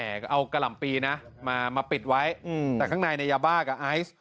แต่ก็เอากะหล่ำปีนะมาปิดไว้แต่ข้างในในยาบ้ากับไอซ์